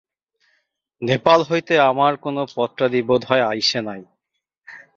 নেপাল হইতে আমার কোন পত্রাদি বোধ হয় আইসে নাই।